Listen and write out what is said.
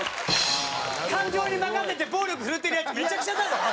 感情に任せて暴力振るってるヤツめちゃくちゃだよ！